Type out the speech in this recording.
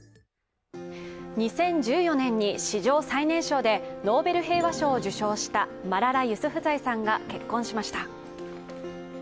２０１４年に史上最年少でノーベル平和賞を受賞したマララ・ユスフザイさんが結婚しました。